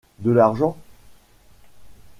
De l’argent !...